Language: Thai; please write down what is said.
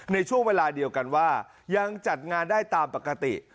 ในช่วงเวลาเดียวกันว่ายังจัดงานได้ตามปกติ